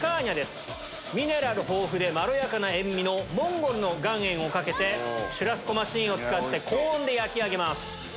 ミネラル豊富でまろやかな塩味のモンゴルの岩塩をかけてシュラスコマシンを使って高温で焼き上げます。